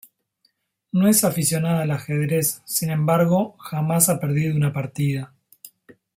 No es aficionada al ajedrez, sin embargo, jamás ha perdido una partida.